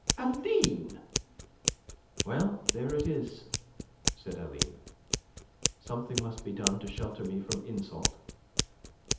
"Aline!" "Well, there it is," said Aline. "Something must be done to shelter me from insult.